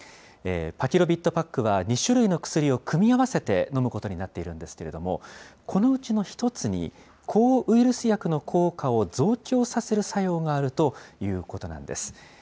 パキロビッドパックは２種類の薬を組み合わせて飲むことになっているんですけれども、このうちの１つに抗ウイルス薬の効果を増強させる作用があるということなんです。